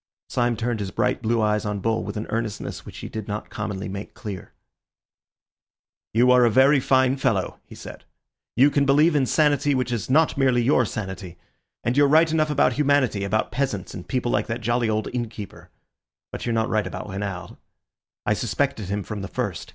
Syme turned his bright blue eyes on Bull with an earnestness which he did not commonly make clear. "You are a very fine fellow," he said. "You can believe in a sanity which is not merely your sanity. And you're right enough about humanity, about peasants and people like that jolly old innkeeper. But you're not right about Renard. I suspected him from the first.